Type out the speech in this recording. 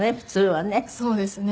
そうですね。